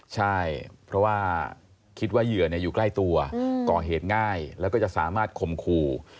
ใช่เพราะว่าคิดว่าเหยื่ออยู่ใกล้ตัวก่อเหตุง่ายแล้วก็จะสามารถคมคู่